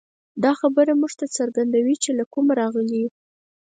دا خبره موږ ته څرګندوي، چې له کومه راغلي یو.